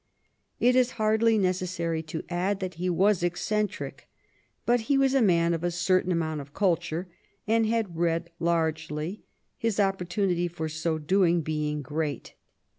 It is hardly necessary to add that he was eccentric, but he was a man of a certain amount of culture, and had read largely, his oppor tunity for so doing being great.